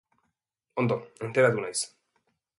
Ondo, enteratu naiz.